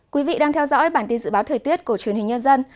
quý vị đang theo dõi bản tin dự báo thời tiết của truyền hình nhân dân